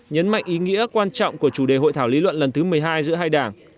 nhấn mạnh ý nghĩa quan trọng của chủ đề hội thảo lý luận lần thứ một mươi hai giữa hai đảng